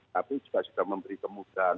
tapi juga memberi kemudahan